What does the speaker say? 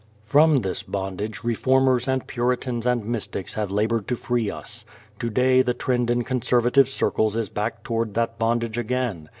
From this bondage reformers and puritans and mystics have labored to free us. Today the trend in conservative circles is back toward that bondage again.